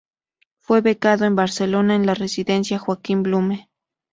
Fue becado en Barcelona, en la Residencia Joaquín Blume.